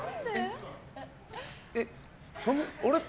えっ。